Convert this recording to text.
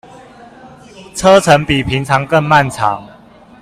車程比平常更漫長